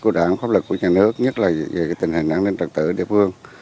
của đảng pháp lực của nhà nước nhất là về tình hình an ninh trật tự ở địa phương